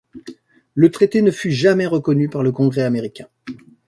Le traité ne fut jamais reconnu par le Congrès américain.